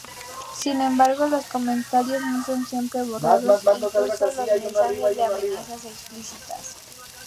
Sin embargo los comentarios no son siempre borrados, incluso los mensajes de amenazas explícitas.